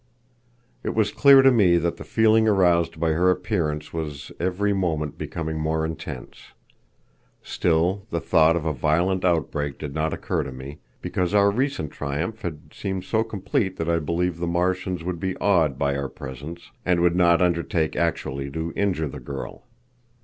It was clear to me that the feeling aroused by her appearance was every moment becoming more intense. Still, the thought of a violent outbreak did not occur to me, because our recent triumph had seemed so complete that I believed the Martians would be awed by our presence, and would not undertake actually to injure the girl.